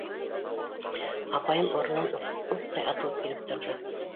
Апайым урынынан уҡтай атылып килеп торҙо.